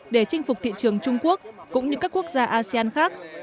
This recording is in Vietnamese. để chinh phục thị trường trung quốc cũng như các quốc gia asean khác